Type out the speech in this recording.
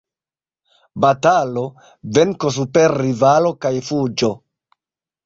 Batalo, venko super rivalo kaj fuĝo.